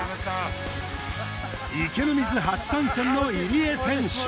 池の水初参戦の入江選手。